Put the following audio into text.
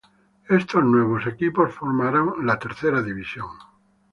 Estos nuevos equipos formaron la Third Division.